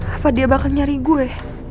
apa dia bakal nyari gue